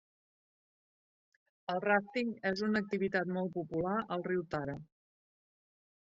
El ràfting és una activitat molt popular al riu Tara.